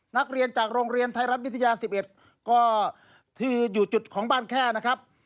นักเรียนจากโรงเรียนไทยรัฐวิทยา๑๑ก็ที่อยู่จุดของบ้านแค่นะครับ